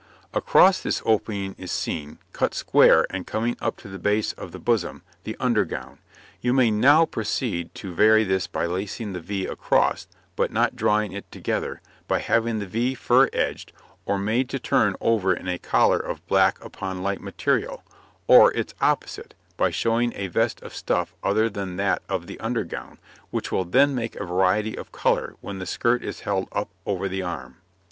Across this opening is seen, cut square and coming up to the base of the bosom, the under gown. You may now proceed to vary this by lacing the V across, but not drawing it together, by having the V fur edged, or made to turn over in a collar of black upon light material, or its opposite, by showing a vest of stuff other than that of the under gown, which will then make a variety of colour when the skirt is held up over the arm.